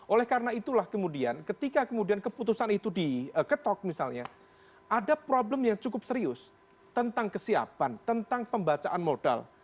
oleh karena itulah kemudian ketika kemudian keputusan itu diketok misalnya ada problem yang cukup serius tentang kesiapan tentang pembacaan modal